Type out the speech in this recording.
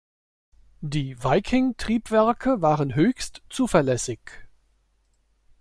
Die Viking Triebwerke waren höchst zuverlässig.